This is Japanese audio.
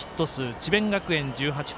智弁学園１８本。